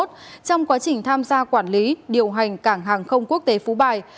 trong quá trình tham gia quản lý điều hành cảng hàng không quốc tế phú bài